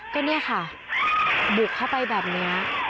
ก็เนี่ยค่ะบุกเข้าไปแบบนี้